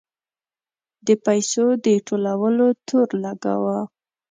د پیسو د ټولولو تور لګاوه.